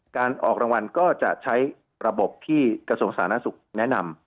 การออกรางวัลก็จะใช้ระบบที่กระทรวงสาธารณสุขแนะนำ